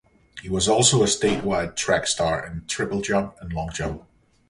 He was also a statewide track star in triple jump and long jump.